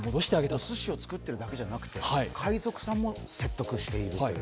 おすしを作っているだけではなくて、海賊さんも説得しているという。